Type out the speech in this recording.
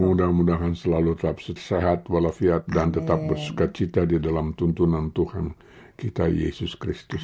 mudah mudahan selalu tetap sehat walafiat dan tetap bersuka cita di dalam tuntunan tuhan kita yesus kristus